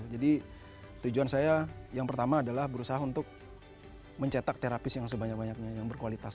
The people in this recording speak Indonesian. jadi tujuan saya yang pertama adalah berusaha untuk mencetak terapis yang sebanyak banyaknya yang berkualitas